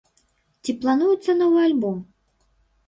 Ці плануецца новы альбом?